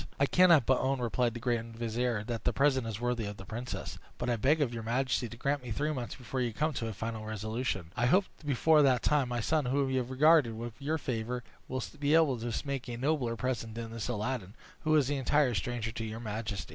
"I cannot but own," replied the grand vizier, "that the present is worthy of the princess; but I beg of your majesty to grant me three months before you come to a final resolution. I hope before that time my son, whom you have regarded with your favor, will be able to make a nobler present than this Aladdin, who is an entire stranger to your majesty."